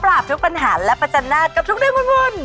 ทุกปัญหาและประจันหน้ากับทุกเรื่องวุ่น